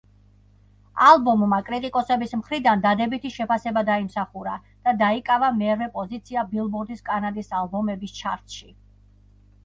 ალბომმა კრიტიკოსების მხრიდან დადებითი შეფასება დაიმსახურა და დაიკავა მერვე პოზიცია ბილბორდის კანადის ალბომების ჩარტში.